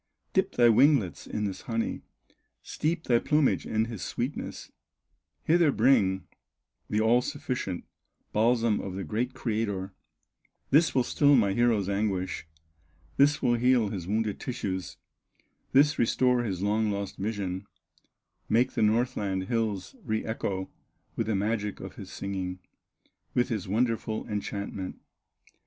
Dip thy winglets in this honey, Steep thy plumage in His sweetness, Hither bring the all sufficient Balsam of the great Creator; This will still my hero's anguish, This will heal his wounded tissues, This restore his long lost vision, Make the Northland hills re echo With the magic of his singing, With his wonderful enchantment."